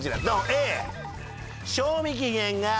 Ａ。